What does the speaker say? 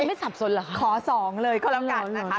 ไม่สับสนเหรอคะขอสองเลยก็แล้วกันนะคะ